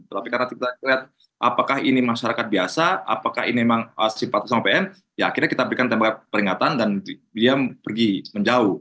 tapi karena kita lihat apakah ini masyarakat biasa apakah ini memang sifatnya sama pn ya akhirnya kita berikan tembakan peringatan dan dia pergi menjauh